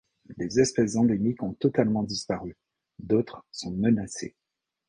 Des espèces endémiques ont totalement disparu, d'autres sont menacées.